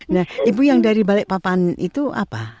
nah ibu yang dari balikpapan itu apa